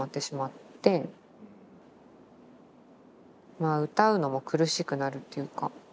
まあ歌うのも苦しくなるっていうかうん。